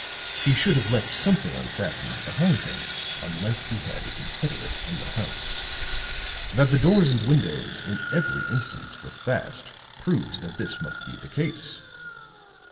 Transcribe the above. He should have left something unfastened behind him unless he had a confederate in the house. That the doors and windows, in every instance, were fast proves that this must be the case."